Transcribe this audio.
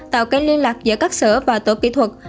tạo kênh liên lạc giữa các sở và tổ kỹ thuật